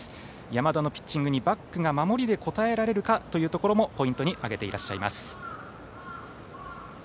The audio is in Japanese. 山田のピッチングにバックが守りで応えられるかというところポイントに挙げていらっしゃいます。